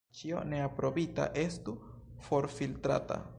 Ĉio neaprobita estu forfiltrata.